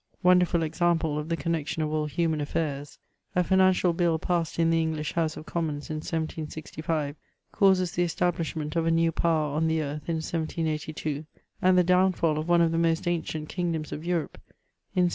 Wonderful example of the connexion of all human afiairs ! A financial Bill passed in the English House of Commons in 1765, causes the establishment of a new power on the Earth in 1782, and the downfal of one of the most ancient kingdoms of Europe, in 1789!